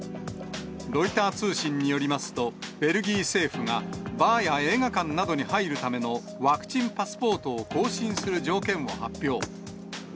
ロイター通信によりますと、ベルギー政府が、バーや映画館などに入るためのワクチンパスポートを更新する条件を発表。